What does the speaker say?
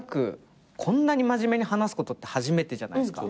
こんなに真面目に話すことって初めてじゃないですか。